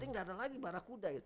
tidak ada lagi barah kuda